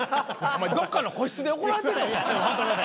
どっかの個室で怒られてんのか？